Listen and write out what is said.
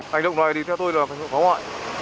hành động này thì theo tôi là phải nhuận phó ngoại